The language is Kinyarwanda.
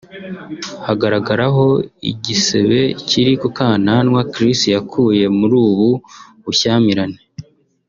hagaragaraho igisebe kiri ku kananwa Chris yakuye muri ubu bushyamirane